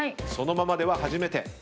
そのままでは初めて。